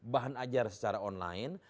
bahan ajar secara online